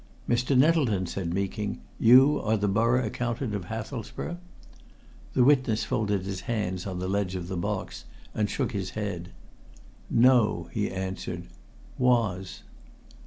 "Mr. Nettleton," said Meeking, "you are Borough Accountant of Hathelsborough?" The witness folded his hands on the ledge of the box and shook his head. "No," he answered. "Was."